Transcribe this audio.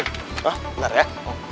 oh bener ya